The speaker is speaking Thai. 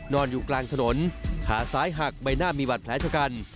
นอนอยู่กลางถนนขาซ้ายหักใบหน้ามีบัตรแผลชะกัน